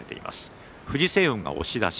藤青雲、押し出し。